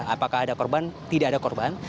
apakah ada korban tidak ada korban